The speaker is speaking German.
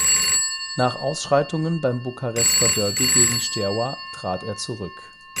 Nach Ausschreitungen beim Bukarester Derby gegen Steaua trat er zurück.